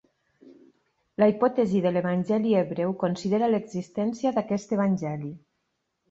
La Hipòtesi de l'Evangeli hebreu considera l'existència d'aquest evangeli.